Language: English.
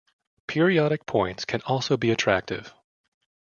Periodic points can also be attractive.